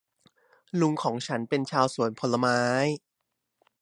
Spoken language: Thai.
ลุงของฉันเป็นชาวสวนผลไม้